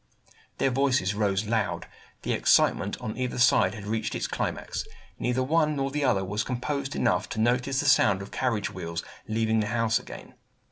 Their voices rose loud; the excitement on either side had reached its climax; neither the one nor the other was composed enough to notice the sound of the carriage wheels, leaving the house again.